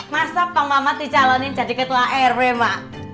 masa pak mamat dicalonin jadi ketua arb ma